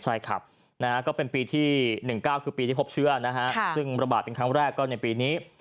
ใช่ครับก็เป็นปีที่๑๙คือปีที่พบเชื้อนะฮะซึ่งระบาดเป็นครั้งแรกก็ในปีนี้